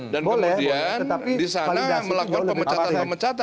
dan kemudian di sana melakukan pemecatan pemecatan